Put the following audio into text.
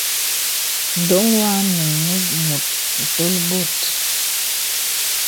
Ǹdoŋ wanùŋ nə mùt ǹtol bòt.